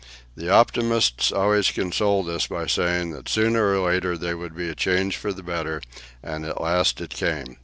The optimists always consoled us by saying that sooner or later there would be a change for the better, and at last it came.